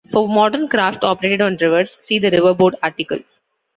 For modern craft operated on rivers, see the Riverboat article.